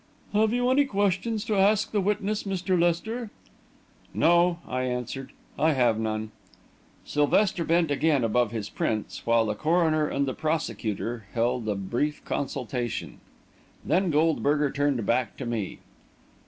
"Have you any questions to ask the witness, Mr. Lester?" "No," I answered; "I have none." Sylvester bent again above his prints, while the coroner and the prosecutor held a brief consultation. Then Goldberger turned back to me.